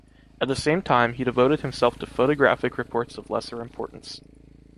At the same time, he devoted himself to photographic reports of lesser importance.